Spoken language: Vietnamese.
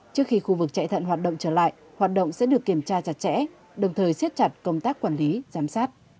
trước khi khu vực chạy thận hoạt động trở lại hoạt động sẽ được kiểm tra chặt chẽ đồng thời siết chặt công tác quản lý giám sát